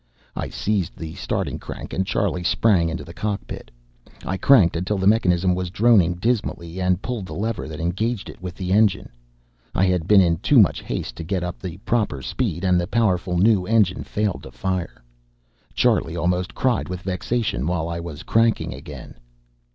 I seized the starting crank and Charlie sprang into the cockpit. I cranked until the mechanism was droning dismally, and pulled the lever that engaged it with the engine. I had been in too much haste to get up the proper speed, and the powerful new engine failed to fire. Charlie almost cried with vexation while I was cranking again.